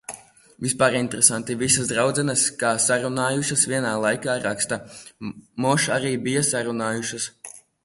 Vispār interesanti, visas draudzenes kā sarunājušas vienā laikā raksta. Moš arī bija sarunājušas.